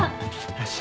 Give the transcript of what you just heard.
よし。